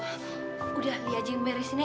ibu udah lia jengberi sini